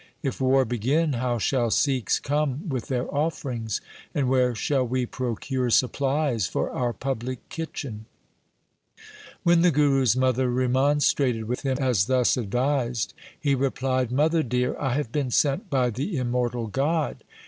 If war begin, how shall Sikhs come with their offerings ? And where shall we procure supplies for our public kitchen ?' When the Guru's mother remonstrated with him as thus advised, he replied, ' Mother dear, I have been sent by the immortal God.